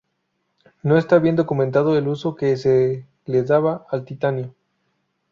No está bien documentado el uso que se le daba al titanio.